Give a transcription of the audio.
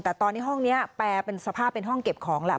แต่ตอนนี้ห้องนี้แปลเป็นสภาพเป็นห้องเก็บของแหละ